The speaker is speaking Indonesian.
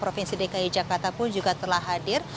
provinsi dki jakarta pun juga telah hadir